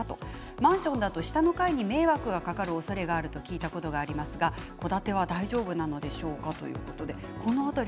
マンションだと下の階に迷惑がかかるおそれがあると聞いたことがありますが戸建ては大丈夫なのでしょうか？